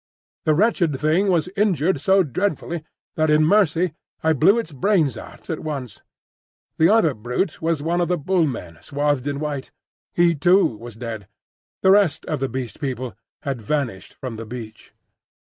The wretched thing was injured so dreadfully that in mercy I blew its brains out at once. The other brute was one of the Bull men swathed in white. He too was dead. The rest of the Beast People had vanished from the beach.